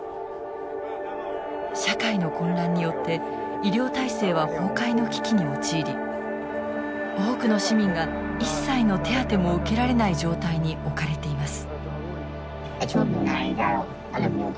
社会の混乱によって医療体制は崩壊の危機に陥り多くの市民が一切の手当ても受けられない状態に置かれています。